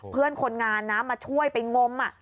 เพื่อนคนงานนะมาช่วยไปงม